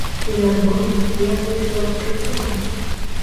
Вядома, я выйшла б працаваць.